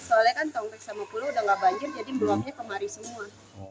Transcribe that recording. soalnya kan tongpek sama pulau udah gak banjir jadi luapnya kemarin semua